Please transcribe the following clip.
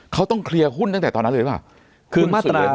เขาต้องเคลียร์หุ้นตั้งแต่ตอนนั้นเลยหรือเปล่า